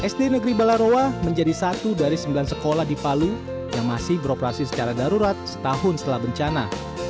sd negeri balarowa menjadi satu dari sembilan sekolah di palu yang masih beroperasi secara darurat setahun setelah bencana